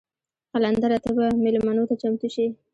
قلندره ته به میلمنو ته چمتو شې.